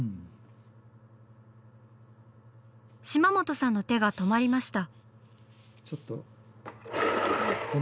島本さんの手が止まりました。